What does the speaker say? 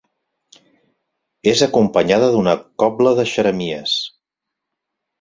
És acompanyada d'una cobla de xeremies.